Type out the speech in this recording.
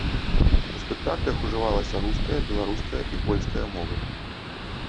У спектаклях ужываліся руская, беларуская і польская мовы.